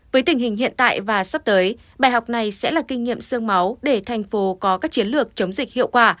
với tình hình hiện tại và sắp tới bài học này sẽ là kinh nghiệm sương máu để thành phố có các chiến lược chống dịch hiệu quả